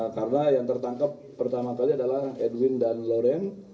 karena yang tertangkap pertama kali adalah edwin dan loren